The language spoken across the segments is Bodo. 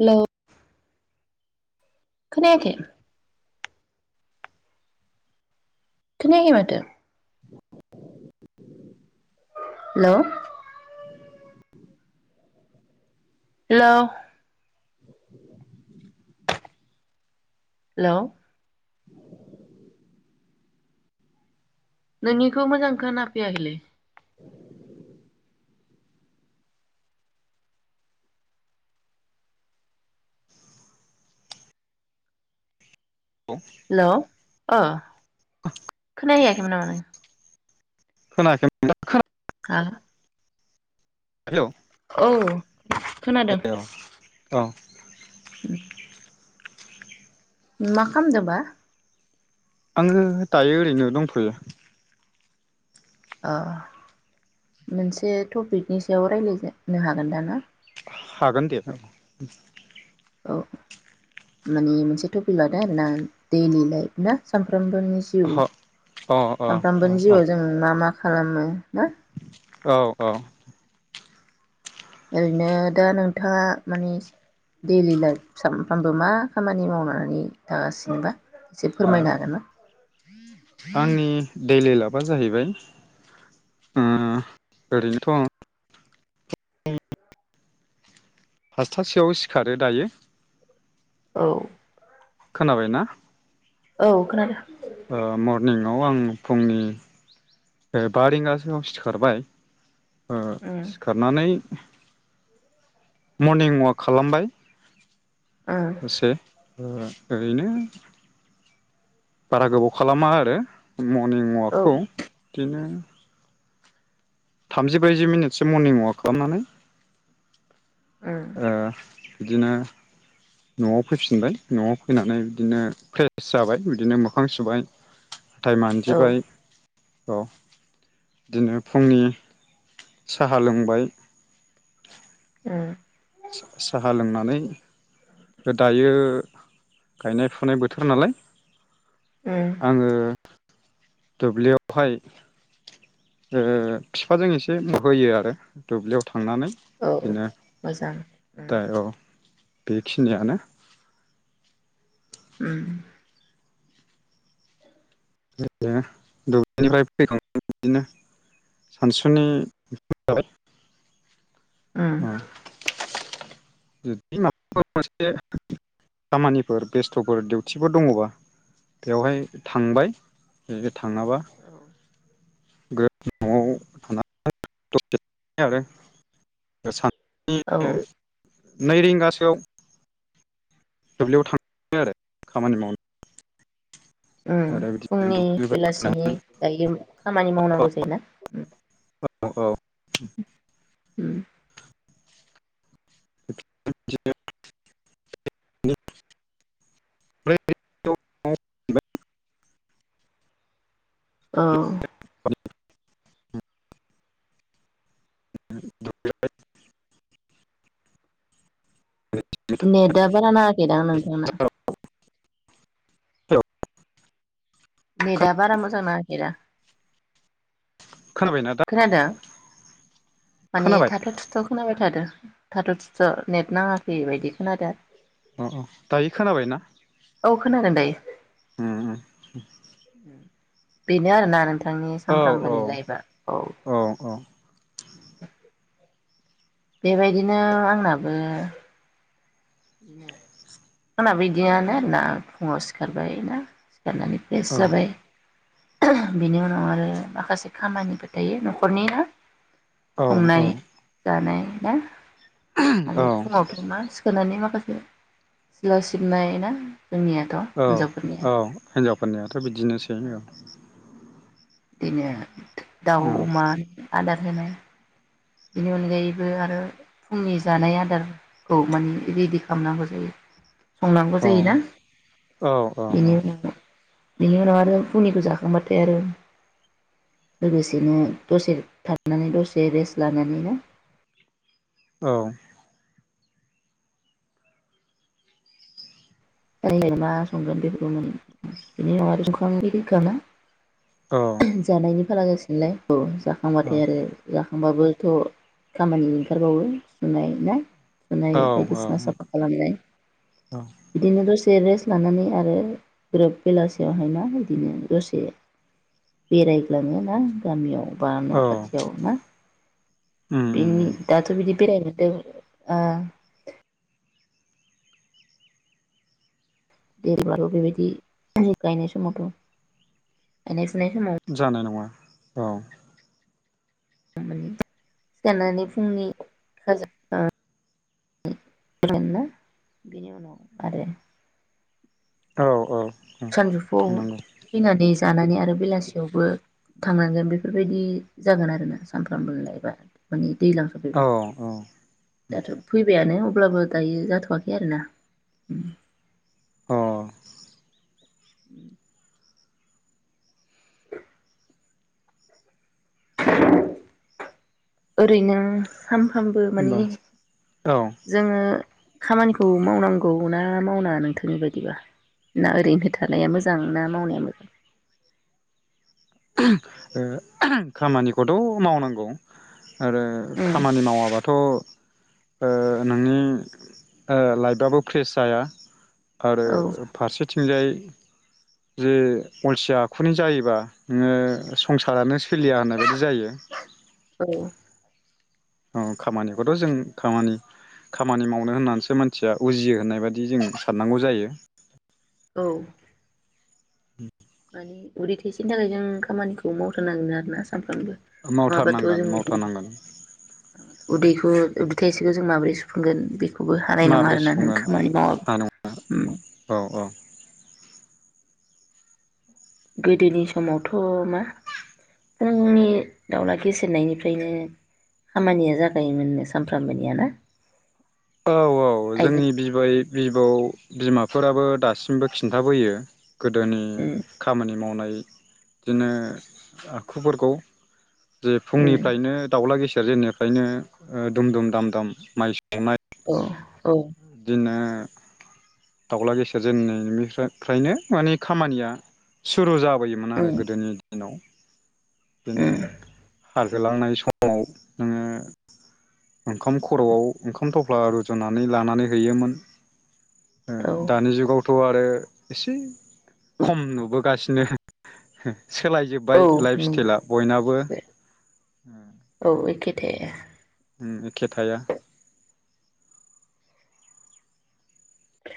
हेलौ। खोनायाखै? खोनायाखै माथो। हेल'। हेल'। हेल'। नोंनिखौ मोजां खोना फैयाखैलै। हेल' अ। [inaudible] खोनाहैयाखैमोन नामा नों? खोनायाखैमोन [inaudible] आ औ औ खोनादों। औ मा खालामदों बा। आङो दायो ओरैनो दंथ'यो। ओ मोनसे टपिकनि सायाव राय्लायजनो हागोन दा ना? हागोन दे। औ माने मोनसे टपिक लादों आरोना दैलि लाइफ ना सानफ्राम सामफ्रामबोनि जिउ ह अ अ सामफ्रामबोनि जिउआव जों मा मा? खालामो ना? औ औ। ओरैनो दा नोंथाङा माने दैलि लाइफ सानफ्रामबो मा खामानि मावनानै थागासिनोबा? एसे औ फोरमायनो हागोन ना? आंनि दैलि लाबआ जाहैबाय उम ओरैनोथ' आं फासथासोयाव सिखारो दायो औ खोनाबाय ना? औ खोनादों। ओ मर्निं आव आं फुंनि बा रिंगासोआव सिखारबाय ओ उम सिखारनानै मर्निं वाक खालामबाय। उम दसे ओ ओरैनो बारा गोबाव खालामा आरो। मर्निं वाक औ खौ उम बिदिनो थामजि ब्रैजि मिनिटसो मर्निं वाक खालामनानै ओ बिदिनो न'आव फैफिनबाय न'आव फैनानै बिदिनो फ्रेस जाबाय बिदिनो मोखां सुबाय हााथाय औ उम मानजिबाय औ बिदिनो फुंनि साहा लोंबाय उम साहा लोंनानै दायो गायनाय फुनाय बोथोर नालाय उम आङो दुब्लिआवहाय ओ फिफाजों एसे होयो आरो दुब्लियाव थांनानै औ बिदिनो मोजां उम दा औ। बेखिनियानो। उम बिदिनो दुब्लिनिफ्राय फैखांनानै बिदिनो सानसुनि ओंखाम जाबाय। उम जुदि माबाफोर मोनसे खामानिफोर बेस्थ'फोर दिउथिफोर दङबा बेवहाय थांबाय थाङाबा न'आव थानानै द'से आरो सान औ नै रिंगासोआव दुब्लियाव थाङो आरो खामानि मावनो। उम आरो बिदिनो फुंनि दुब्लिनिफ्राय बेलासिनि दायो खामानि मावनांगौ जायोना। औ औ [inaudible] उम [unintelligible] [unintelligible] औ नेटदा बारा नाङाखैदां नोंथांना हेलौ नेेटा बारा मोजां नाङाखै दा [inaudible] खोनादों माने खोनाबाय थाथ' थुथ' खोनाबाय थादो थाथ' थिथ' नेट नाङाखैबायदि खोनादों अ अ दायो खोनाबायना औ खोनादों दायो उम उम बेनो आरोना नों नोंथांनि औ सामफ्रामबोनि लाइफआ औ [inaudible] बेबायदिनो आंनाबो [inaudible] आंनाबो बिदियानो आरोना फुङाव सिखारबाय ना सिखारनानै फ्रेस औ जाबाय बेनि उनाव आरो माखासे खामानिफोर थायो न'खरनि ना औ संनाय जानाय ना आरो फुङावथ' मा सिखारनानै माख खासे सिला' सिबनाय ना जोंनियाथ' हिनजावफोरनिया फोरनिया थ बिदिनोसै औ बिदिनो दाउ औ अमा आदार होनाय बेनि अनगायैबो आरो फुंनि जानाय आदारखौ माने रेडि खालामनांगौ जायो। संनांगौ जायो औ ना औ औ बेनि उनाव बेनि उनाव आरो फुंनिखौ जाखांबाथाय आरो लोगोसेनो दसे थनानै दसे रेस्ट लानानै ना औ। [unintelligible] जानायनि फारागा ए [inaudible] औ जाखांबाथाय आरो जा होमबा बोथ खामानि ओंखारबावो सुनाय ना। सुनाय बायदिसिना औ साफा खालामनाय। औ दसे रेस्ट लानानै आरो ग्रोब बेलासियावहाय ना बिदिनो दसे बेरायग्लाङो ना गामियाव। बा न औ खाथियाव ना उम बिनि उम दाथ बिदि बेरायनो दों ओ [unintelligible] जानाय नङा। औ। [unintelligible] सिखारनानै फुंनि खाजा [unintelligible] [unintelligible] औ औ। सानजौफुआव थांनांगौ फैनानै जानानै आरो बेलासियावबो थांनांगोन बेफोरबायदि जागोन आरोना सानफ्रामबो लायबा मानि दैज्लां औ सफैबा, अ दाथ फैबायानो अब्लाबो दायो जाथवाखै आरोना। अ। [inaudible] [inaudible] ओरैनो सानफ्रामबो मानि औ जोङो खामानिखौ मावनांगौ ना मावनाङा नोंथांनि बायदिबा, ना ओरैनो थानाया मोजां ना मावनाया मो [unintelligible] ओ खामानिखौथ मावनांगौ। आरो उम खामानि मावाबाथ ओ नोंनि ओ लाइबाबो फ्रेस जाया। आरो औ फारसेथिंजाय जे अलसिया आखुनि जायोबा नोङो संसारानो सोलिया होननाय बायदि जायो। औ। औ खामानिखौद जों खामानि खामानि मावनो होननानैसो मानसिया उजियो होननाय बायदि जों साननांगौ जायो। औ। मानि उदै थाइसेनि थाखाय जों खामानिखौ मावथारनांगोन आरोना। सानफ्रामबो नङाबाथ' जों मावथारनांगोन मावथारनांगोन। उदैखौ उदै थाइसेखौ जों माबोरै सुफुंगोन बे बो हानाय नङा माबोरै आरोना नों सुफुंगोन खामानि मावाबा। हा नङा औ औ गोदोनि समावथ मा फुंनि दाउला गेसेेरनायनिफ्रायनो खामानिया जागायोमोननो सानफ्रामबोनिया ना औ औ आइजो जोंनि बिबै बिबौ बिमाफोराबो दासिमबो खिन्थाबोयो गोदोनि उम खामानि मावनाय बिदिनो आखुफोरखौ जे उम फुंनिफ्रायनो दाउला गेसि सि जनिफ्रायनो दुम दुम दाम दाम माइ संनाय औ। बिदिनो दाउला गेसेेर जेननायनिफ्रायनो मानि खामानिया सुरु जाबाय थाबायोमोन उम आरो गोदोनि दिनाव। बिनो उम खारजोलांनाय समाव जोङो ओंखाम खरआव ओंखाम थफ्ला रुजुना नानै लानानै हैयोमोन। औ दानि जुगावथ आरो। एसे खम नुबोगासिनो। औ सोलायजोब्बाय लाइफ नंगौ स्टाइला बयनाबो औ एखेथे उम एखे थाया। उम।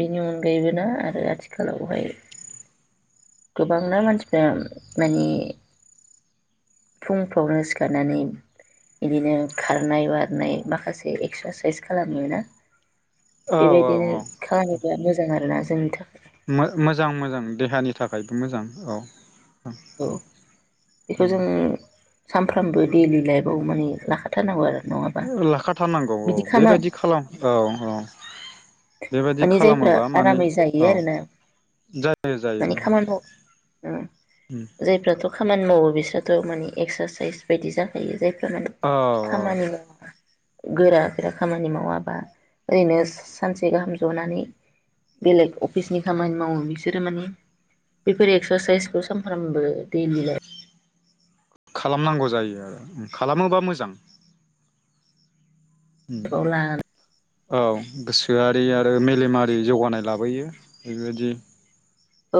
बेनि अनगायैबो ना आरो आथिखालावहाय गोबांनाा मानसिफ्रा माने फुंफ्रावनो सिखारनानै बिदिनो खारनाय बारनाय माखासे एक्सारसाइस खालामोना। औ औ बेबायदिनो औ खामोबा मोजां आरोना जोंनि थाखै मोजां मोजां देहानि थाखायबो मोजां औ। औ बेखौ जोंङो सानफ्रामबो देलि लाइफआव माने लाखाथारनांगौ आरो। नङाबा लाखाथारनांगौ औ बेबायाददि खालाम औ औ। बेबायदि मानि जायफ्रा खालामोबा माने आरामै जायो औ आरोोना जायो मानि जायो खामानियाव जायफ्राथ खामानि मावो बिसोरथमानिे एक्सारसाइस बायदि जाखायो जे औ खामानि मावा गोरा गोरा खामानि मावाबा ओरैनो सानसे गाहाम जनानै बेलेग अफिसनि खामानि मावो बिसोरो माने बेफोर एक्सारसाइसखौ सानफ्रामबो दैलि लाइफ। खालामनांगौ जायो आरो खालामोबा मोजां। लाइफआव लानानै औ गोसो गोसोआरि आरो मेलेमारि जौगानाय लाबोयो बेबायदि।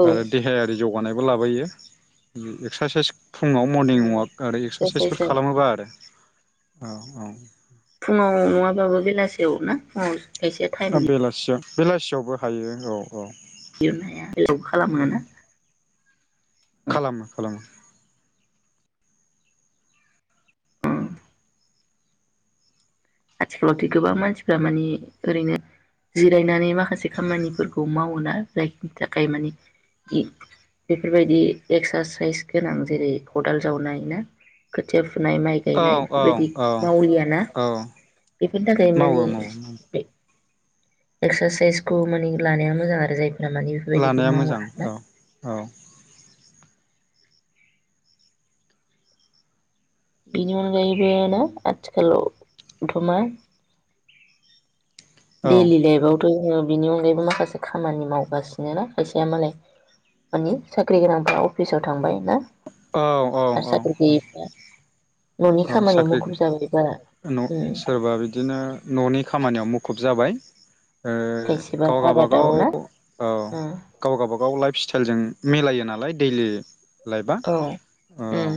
औ आरो देहायारि। जौगानायबो लाबोयो एक्सारसाइस फुङाव मरनिं उम अवाक आरो एक्सारसाइसफोर एक्सारसाइसआ खालामोबा आरो औ औ [unintelligible] फुङाव नङाबाबो बेलासियाव ना फुङाव खायसेया टाइम बेलासियाव बेलासियावबो हायो औ औ [unintelligible] खालामो ना खालामो खालामो आथिखालावथ गोबां मानसिफ्रा माने ओरैनो जिरायनानै माखासे खामानिफोरखौ मावोना जायखिनि थाखाय मानि बेफोरबायदि एक्सारसाइस गोनां जेरै खदाल जावनाय ना खोथिया फुनाय माइ औ गायनाय औ बेफोरबायदि औ मावलियाना। औ बेफोरनि थाखाय माने मावो मावो एक्सारसाइसखौ माने लानाया मोजां आरो जाय लानाया मोजां। औ औ बेनि अनगायैबो ना आथिखालावथ' मा औ दैलि लाइभआव जोङो बिनि अनगायैबो माखासे खामानि मावगासिनो ना खायसेया मालाय माने साख्रि गोनांफ्रा अफिसाव थांबाय ना औ औ आरो औ साख्रि गैयिफ्रा साख्रि उम सोरबा बिदिनो न'नि खामानियाव मुखुब जाबाय। [unintelligible] खायसेबा गाव गावबागाव आबादाव ना उम गाव गावबागाव लाइभ स्टाइलजों मिलायो नालाय दैलि लाइभआ औ उम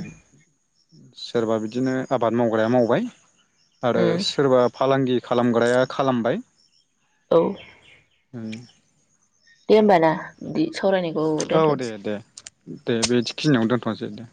सोरबा बिदि बिदिनो आबाद मावग्राया मावबाय आरो उम सोरबा फालांगि खालामग्राया खालामबाय। औ [unintelligible] दे होनबा ना सावरायनायखौ औ दे दोनथ'नोसै दे दे बेदि खिनियावनो दोनथ'नोसै दे